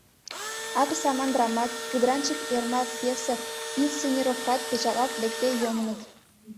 «Акыр саман» драмат, «Пудранчык Эрмак» пьеса-инсценировкат печатлалт лекде йомыныт.